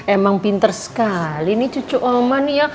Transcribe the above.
emang pinter sekali nih cucu oma nih ya